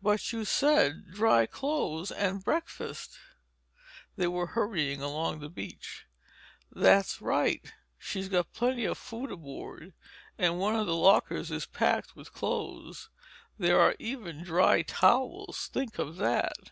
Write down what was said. "But you said 'dry clothes and breakfast'—" They were hurrying along the beach. "That's right. She's got plenty of food aboard—and one of the lockers is packed with clothes. There are even dry towels, think of that!